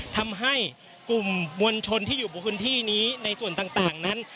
ทำให้กลุ่มมวลชนที่อยู่บนพื้นที่นี้ในส่วนต่างนั้น